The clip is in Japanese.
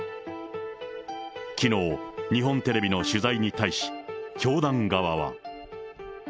きのう、日本テレビの取材に対し、教団側は。